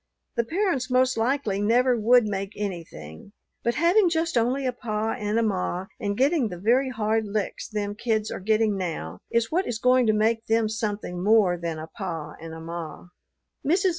The parents most likely never would make anything; but having just only a pa and a ma and getting the very hard licks them kids are getting now, is what is going to make them something more than a pa and a ma."